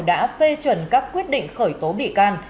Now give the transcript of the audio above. đã phê chuẩn các quyết định khởi tố bị can